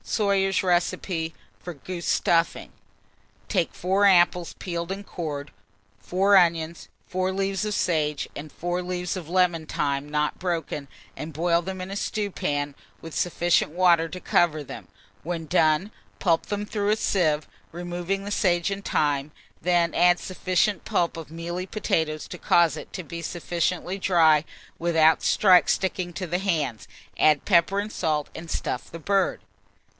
SOYER'S RECIPE FOR GOOSE STUFFING. Take 4 apples, peeled and cored, 4 onions, 4 leaves of sage, and 4 leaves of lemon thyme not broken, and boil them in a stewpan with sufficient water to cover them; when done, pulp them through a sieve, removing the sage and thyme; then add sufficient pulp of mealy potatoes to cause it to be sufficiently dry without sticking to the hand; add pepper and salt, and stuff the bird.